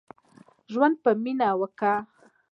ژوند په مينه وکړئ.